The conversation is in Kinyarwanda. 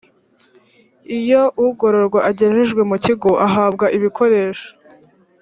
iyo ugororwa agejejwe mu kigo ahabwa ibikoresho.